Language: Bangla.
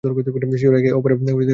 শিশুরা একে অপরের প্রেমে পড়তে বাধ্য।